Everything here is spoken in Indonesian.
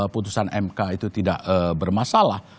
putusan mk itu tidak bermasalah